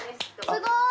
すごーい！